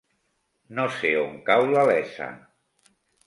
No sé on cau la Iessa.